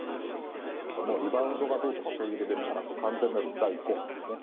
もうリバウンドがどうとかそういうレベルじゃなく、完全なる第５波ですね。